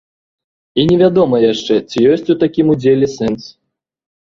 І невядома яшчэ, ці ёсць у такім удзеле сэнс?